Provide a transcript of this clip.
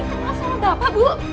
apa ini terlalu sama bapak bu